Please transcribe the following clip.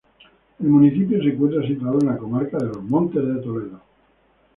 El municipio se encuentra situado en la comarca de los Montes de Toledo.